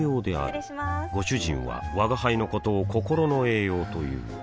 失礼しまーすご主人は吾輩のことを心の栄養という